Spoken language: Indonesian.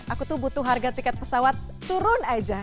aku tuh butuh harga tiket pesawat turun aja